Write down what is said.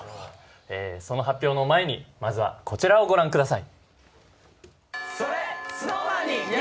その発表の前に、まずはこちらをご覧ください。